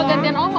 oh gantian oma